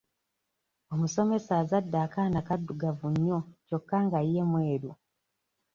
Omusomesa azadde akaana kaddugavu nnyo kyokka nga ye mweru.